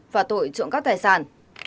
và tội trộm các tài sản